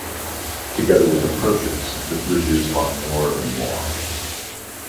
Together with approaches, the bridges are more than long.